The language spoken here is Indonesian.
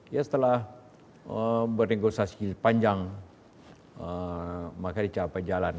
ya setelah bernegosiasi panjang maka dicapai jalan